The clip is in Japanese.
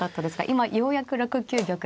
今ようやく６九玉と。